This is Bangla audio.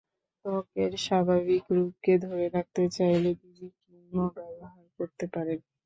ত্বকের স্বাভাবিক রূপকে ধরে রাখতে চাইলে বিবি ক্রিমও ব্যবহার করতে পারেন।